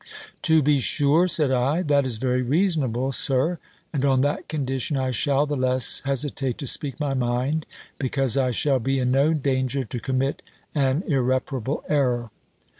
"To be sure," said I, "that is very reasonable, Sir; and on that condition, I shall the less hesitate to speak my mind, because I shall be in no danger to commit an irreparable error."